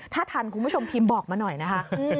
ถ้าทันคุณผู้ชมพิมพ์บอกมาหน่อยนะคะ